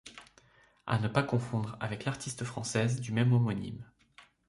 A ne pas confondre avec l'artiste Française, du même homonyme.